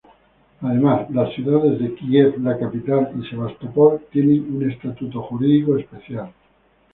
Además, las ciudades de Kiev, la capital, y Sebastopol tienen un estatuto jurídico especial.